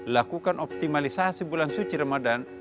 lakukan optimalisasi bulan suci ramadan